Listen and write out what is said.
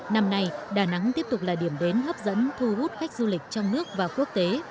năm nay đà nẵng tiếp tục là điểm đến hấp dẫn thu hút khách du lịch trong nước và quốc tế